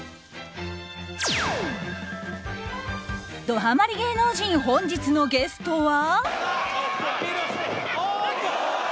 ドはまり芸能人本日のゲストは。